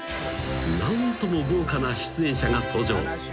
［何とも豪華な出演者が登場］